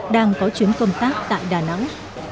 đang có chuyến công tác tại đà nẵng